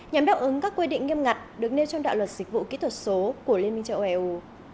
nhằm đáp ứng các quy định nghiêm ngặt được nêu trong đạo luật dịch vụ kỹ thuật số của liên minh châu âu eu